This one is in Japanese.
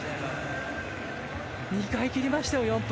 ２回切りましたよ、４分。